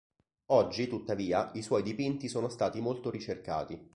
Oggi, tuttavia, i suoi dipinti sono stati molto ricercati.